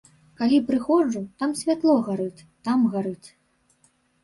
Калі прыходжу, там святло гарыць, там гарыць.